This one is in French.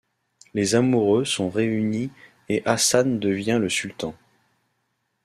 Les amoureux sont réunis et Hassan devient le sultan.